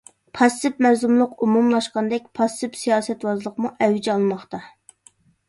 پاسسىپ مەزلۇملۇق ئومۇملاشقاندەك، پاسسىپ سىياسەتۋازلىقمۇ ئەۋج ئالماقتا.